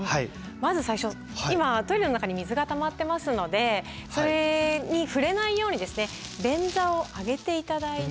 まず最初今トイレの中に水がたまってますのでそれに触れないように便座を上げて頂いて。